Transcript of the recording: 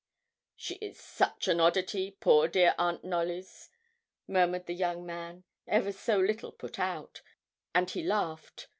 'She is such an oddity, poor dear Aunt Knollys,' murmured the young man, ever so little put out, and he laughed.